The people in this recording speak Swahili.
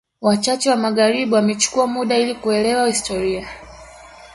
Wachache wa magharibi wamechukua muda ili kuelewa historia